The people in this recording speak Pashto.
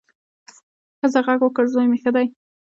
ښځه غږ وکړ، زوی مې ښه دی.